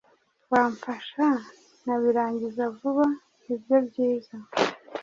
Wamfasha nkabirangiza vuba nibyo byiza